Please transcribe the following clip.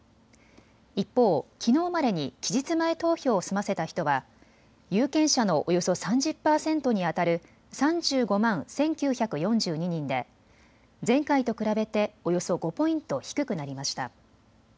一方、きのうまでに期日前投票を済ませた人は有権者のおよそ３０％にあたる３５万１９４２人で前回と比べておよそ５ポイント低くなりました。